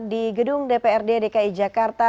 di gedung dpr ddk jakarta